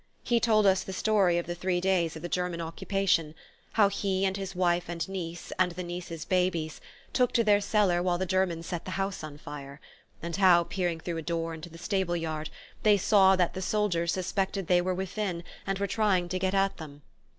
He told us the story of the three days of the German occupation; how he and his wife and niece, and the niece's babies, took to their cellar while the Germans set the house on fire, and how, peering through a door into the stable yard, they saw that the soldiers suspected they were within and were trying to get at them.